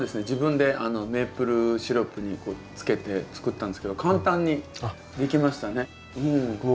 自分でメイプルシロップに漬けて作ったんですけど簡単にできましたね。